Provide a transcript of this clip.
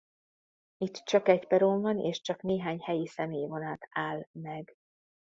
Itt csak egy peron van és csak néhány helyi személyvonat áll meg.